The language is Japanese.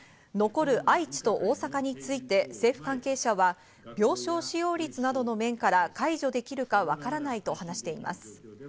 残る愛知と大阪について政府関係者は病床使用率などの面から解除できるかわからないと話しています。